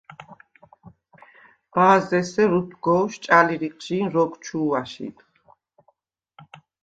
ბა̄ზ’ ესერ უფგოვშ ჭალი რიყჟი̄ნ როგვ ჩუ̄ვ აშიდხ.